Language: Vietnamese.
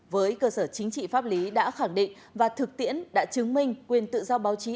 với cơ sở chính trị pháp lý đã khẳng định và thực tiễn đã chứng minh quyền tự do báo chí